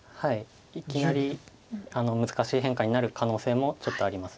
いきなり難しい変化になる可能性もちょっとあります。